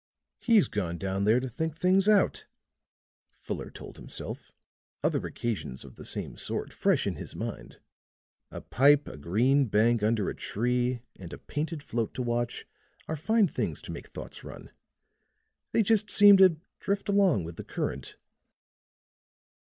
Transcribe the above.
"He's gone down there to think things out," Fuller told himself, other occasions of the same sort fresh in his mind. "A pipe, a green bank under a tree, and a painted float to watch, are fine things to make thoughts run. They just seem to drift along with the current."